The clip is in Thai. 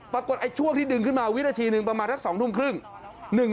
ปรากฏไอ้ช่วงที่ดึงขึ้นมาวินาทีหนึ่งประมาณสัก๒ทุ่มครึ่ง